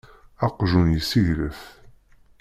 Aqjun yesseglaf.